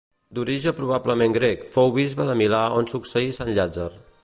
D'origen probablement grec, fou bisbe de Milà on succeí sant Llàtzer.